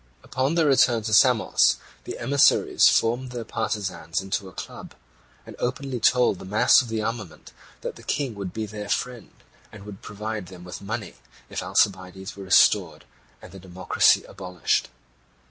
Upon their return to Samos the emissaries formed their partisans into a club, and openly told the mass of the armament that the King would be their friend, and would provide them with money, if Alcibiades were restored and the democracy abolished.